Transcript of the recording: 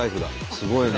すごいね。